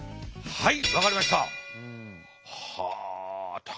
はい。